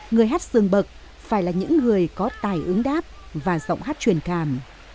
người hát xương bậc phải là những người có tài ứng đáp và giọng hát truyền cảm